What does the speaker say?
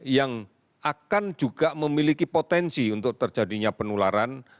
yang akan juga memiliki potensi untuk terjadinya penularan